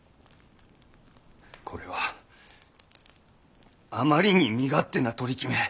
これはあまりに身勝手な取り決め。